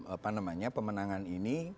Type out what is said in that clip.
apa namanya pemenangan ini